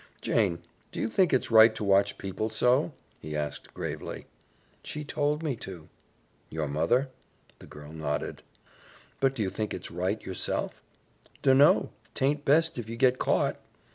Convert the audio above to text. "Jane, do you think it's right to watch people so?" he asked gravely. "She told me to." "Your mother?" The girl nodded. "But do you think it's right yourself?" "Dunno. 'Taint best if you get caught."